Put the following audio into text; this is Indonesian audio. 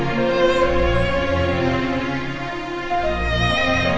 feng shui nya lebih bagus